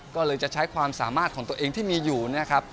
ก็เลยจะใช้ความสามารถของตัวเองที่มีอยู่นะครับ